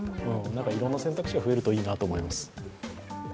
いろんな選択肢が増えるといいなと思います。